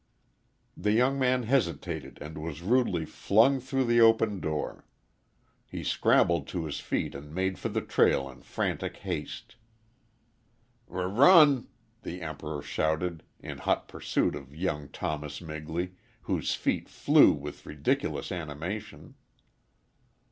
The young man hesitated and was rudely flung through the open door. He scrambled to his feet and made for the trail in frantic haste. "R run!" the Emperor shouted, in hot pursuit of young Thomas Migley, whose feet flew with ridiculous animation.